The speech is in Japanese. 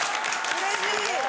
うれしい！